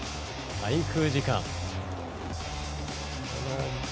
滞空時間。